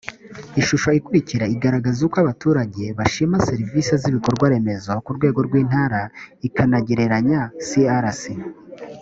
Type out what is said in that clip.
ishusho ikurikira iragaragaza uko abaturage bashima serivisi z ibikorwaremezo ku rwego rw intara ikanagereranya crc